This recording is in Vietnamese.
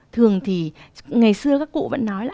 thường thì ngày xưa các cụ vẫn nói là